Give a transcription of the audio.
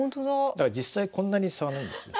だから実際こんなに差はないんです。